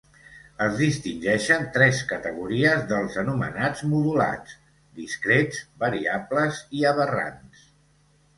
Es distingeixen tres categories dels anomenats modulats: discrets, variables i aberrants.